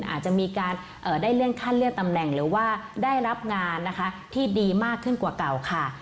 อาจจะมีการได้เลื่อนขั้นเลื่อนตำแหน่งหรือว่าได้รับงานนะคะที่ดีมากขึ้นกว่าเก่าค่ะ